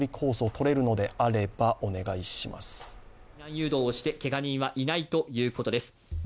避難誘導をして、けが人はいないということです。